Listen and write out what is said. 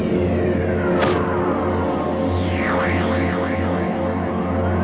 tidak ada yang bisa dikira